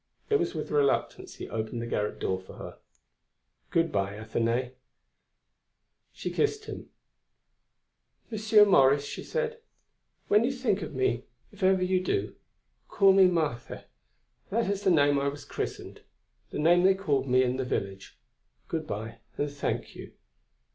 It was with reluctance he opened the garret door for her: "Good bye, Athenaïs." She kissed him. "Monsieur Maurice," she said, "when you think of me, if ever you do, call me Marthe; that is the name I was christened, the name they called me by in the village.... Good bye and thank you....